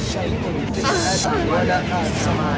kamu biar sumpah nanti buka kamarnya